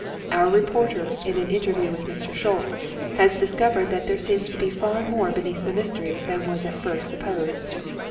Our reporter in an interview with Mr. Schultz has discovered that there seems to be far more beneath the mystery than was at first supposed.